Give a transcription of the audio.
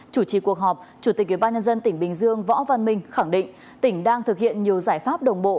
chủ trì cuộc họp chủ tịch ubnd tỉnh bình dương võ văn minh khẳng định tỉnh đang thực hiện nhiều giải pháp đồng bộ